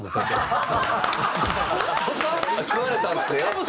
食われたんですね。